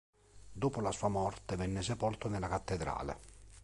Dopo la sua morte venne sepolto nella cattedrale.